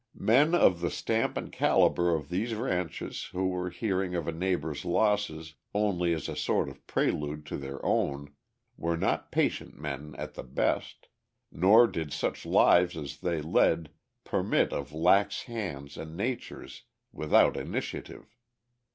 Men of the stamp and calibre of these ranchers who were hearing of a neighbour's losses only as a sort of prelude to their own, were not patient men at the best, nor did such lives as they led permit of lax hands and natures without initiative.